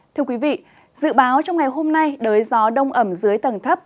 thưa quý vị dự báo trong ngày hôm nay đới gió đông ẩm dưới tầng thấp